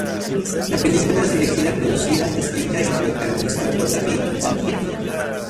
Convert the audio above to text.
La película es dirigida, producida, escrita y protagonizada por David Arquette.